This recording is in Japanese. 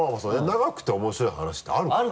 長くて面白い話ってあるからね。